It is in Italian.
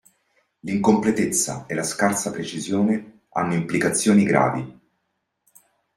L'incompletezza e la scarsa precisione hanno implicazioni gravi.